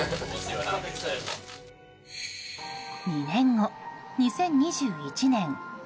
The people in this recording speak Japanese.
２年後、２０２１年。